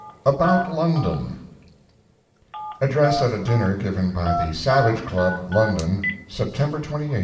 ABOUT LONDON ADDRESS AT A DINNER GIVEN BY THE SAVAGE CLUB, LONDON, SEPTEMBER 28, 1872.